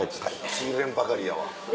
ちぎれんばかりやわ。